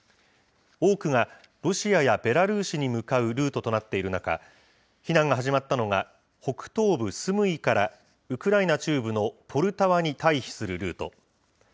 多くがロシアやベラルーシに向かうルートとなっている中、避難が始まったのが北東部スムイからウクライナ中部のポルタワに退避するルート。